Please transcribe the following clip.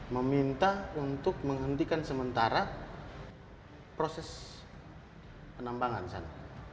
meminta untuk menghentikan sementara proses penambangan sana